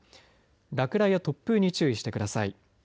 落雷や突風に注意してください。